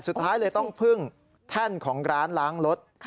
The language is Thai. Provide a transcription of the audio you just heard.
สุดท้ายเลยต้องพึ่งแท่นของร้านล้างรถ